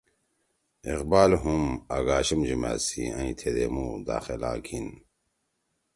اقبال ہُم )ایف اے( اگاشم جُمأت سی ائں تھیدئمُو داخلہ گھیِن